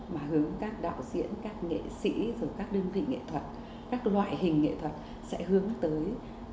mà hướng các đạo diễn các nghệ sĩ rồi các đơn vị nghệ thuật các loại hình nghệ thuật sẽ hướng tới